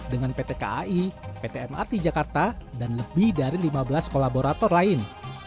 dengan pt kai pt mrt jakarta dan lebih dari lima belas kolaborator lain